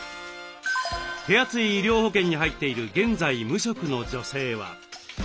手厚い医療保険に入っている現在無職の女性は。